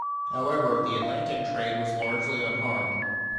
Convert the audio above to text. However, the Atlantic trade was largely unharmed.